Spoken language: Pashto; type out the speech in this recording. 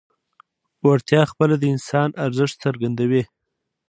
وړتیا خپله د انسان ارزښت څرګندوي.